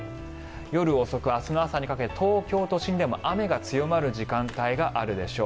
夜遅く、明日の朝にかけて東京都心でも雨が弱まる時間帯があるでしょう。